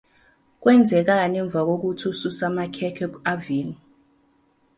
Kwenzekani emva kokuthi ususe amakhekhe kuhhavini?